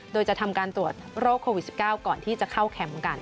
โดยจะทำการตรวจโรคโควิด๑๙ก่อนที่จะเข้าแคมป์กัน